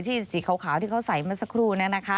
ที่สีขาวที่เขาใส่มาสักครู่